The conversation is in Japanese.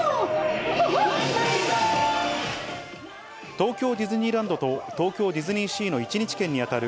東京ディズニーランドと東京ディズニーシーの１日券に当たる